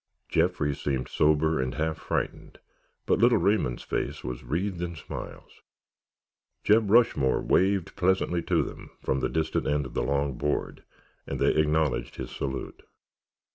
Jeffrey seemed sober and half frightened, but little Raymond's face was wreathed in smiles. Jeb Rushmore waved pleasantly to them from the distant end of the long board and they acknowledged his salute.